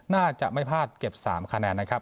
น่าจะไม่พลาดเก็บ๓คะแนนนะครับ